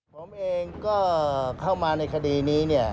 ผมเองก็เข้ามาในคดีนี้